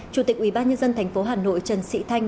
chủ tịch ubnd tp hà nội trần sĩ thanh